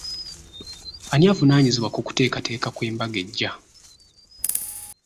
Ani avunaanyizibwa ku kuteekateeka kw'embaga ejja?